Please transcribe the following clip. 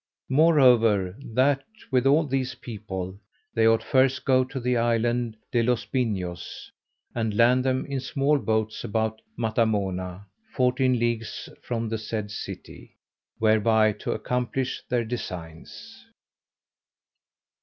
Moreover, that with all these people, they ought first go to the island De los Pinos, and land them in small boats about Matamona, fourteen leagues from the said city, whereby to accomplish their designs.